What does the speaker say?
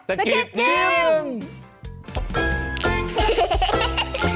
สะกิดยิ้ม